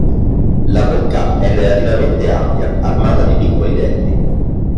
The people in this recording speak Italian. La bocca è relativamente ampia, armata di piccoli denti.